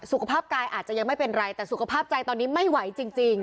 สุขภาพกายอาจจะยังไม่เป็นไรแต่สุขภาพใจตอนนี้ไม่ไหวจริง